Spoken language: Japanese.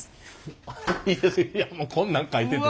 いやいやもうこんなん描いてる。